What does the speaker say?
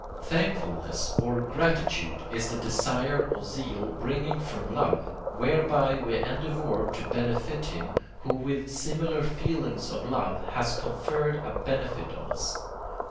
Thankfulness or Gratitude is the desire or zeal springing from love, whereby we endeavour to benefit him, who with similar feelings of love has conferred a benefit on us.